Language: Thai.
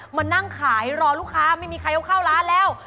มานั่งขายรอลูกค้าไม่มีใครเขาเข้าร้านแล้ว